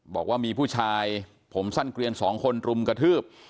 บอกว่ามีผู้ชายผมสั้นเกลียนสองคนรุมกระทืบ